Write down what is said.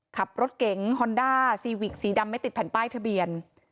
ขับรถเก๋งฮอนด้าซีวิกสีดำไม่ติดแผ่นป้ายทะเบียน